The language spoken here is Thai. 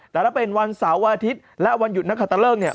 แต่ถ้าเป็นวันเสาร์อาทิตย์และวันหยุดนักขัตตะเลิกเนี่ย